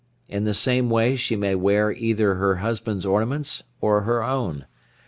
In the same way she may wear either her husband's ornaments or her own.